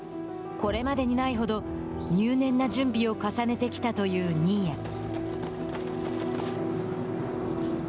これまでにないほど入念な準備を重ねてきたという新谷。